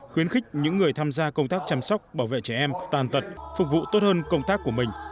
khuyến khích những người tham gia công tác chăm sóc bảo vệ trẻ em tàn tật phục vụ tốt hơn công tác của mình